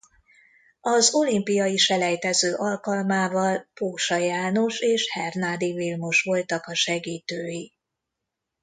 Az olimpiai selejtező alkalmával Pósa János és Hernádi Vilmos voltak a segítői.